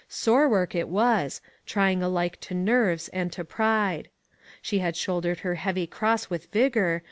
Sore work it was, trying alike to nerves and to pride. She had shouldered her heavy cross with vigor.